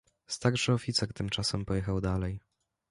"Starszy oficer tymczasem pojechał dalej."